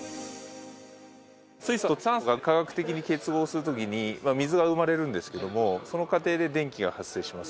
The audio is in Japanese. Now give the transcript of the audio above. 水素と酸素が化学的に結合するときに水が生まれるんですけれども、その過程で電気が発生します。